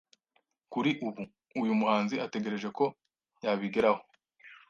kuri ubu uyu muhanzi ategereje ko yabigeraho